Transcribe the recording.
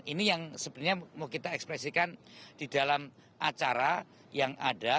ini yang sebenarnya mau kita ekspresikan di dalam acara yang ada